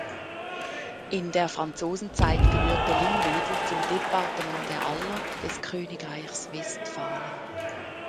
In der Franzosenzeit gehörte Lingwedel zum Departement der Aller des Königreichs Westphalen.